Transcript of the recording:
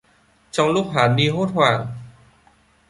Trong lúc hà ni hốt hoảng